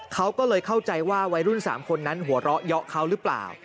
เขาก็เลยเข้าใจว่าวัยรุ่น๓คนนั้นหัวเราะเยาะเขาหรือเปล่า